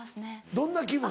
どんな気分？